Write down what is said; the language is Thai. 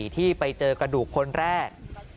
ที่ไปเจอกระดูกคนแรก